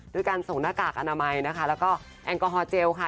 ด้วยการส่งหน้ากากอนามัยนะคะแล้วก็แอลกอฮอลเจลค่ะ